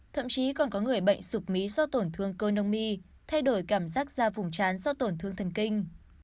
thậm chí còn có người bệnh sụp mí do tổn thương cơ nông mi thay đổi cảm giác ra vùng chán do tổn thương thần kinh